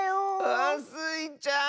あスイちゃん。